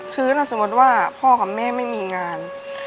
คือถ้าสมมติว่าพ่อกับแม่ไม่มีงาน